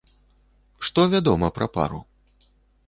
Што вядома пра пару?